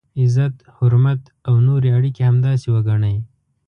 عزت، حرمت او نورې اړیکي همداسې وګڼئ.